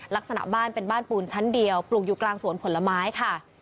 ลักษณะบ้านเป็นบ้านปูนชั้นเดียวปลูกอยู่กลางสวนผลไม้ค่ะ